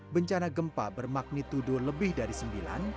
bencana gempa bermagnitudo lebih dari sembilan